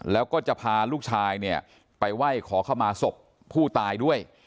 แล้วก็จะพาลูกชายเนี่ยไปไหว้ขอเข้ามาศพผู้ตายด้วย